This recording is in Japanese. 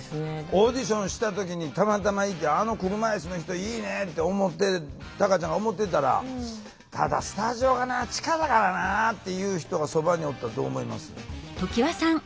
オーディションした時にたまたまいて「あの車いすの人いいね」ってタカちゃんが思ってたら「ただスタジオがな地下だからな」っていう人がそばにおったらどう思います？